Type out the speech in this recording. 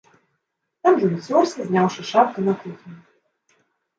Там ён цёрся, зняўшы шапку, на кухні.